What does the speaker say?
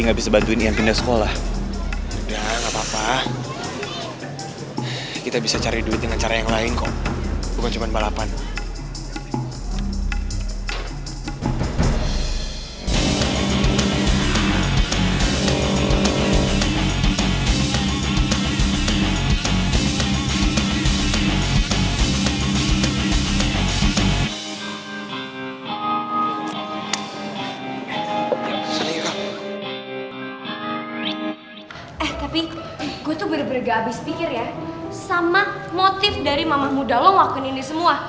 gue tuh bener bener gak abis pikir ya sama motif dari mama muda lo ngelakuinin dia semua